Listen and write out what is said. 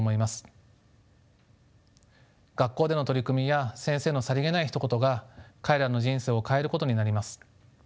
学校での取り組みや先生のさりげないひと言が彼らの人生を変えることになります。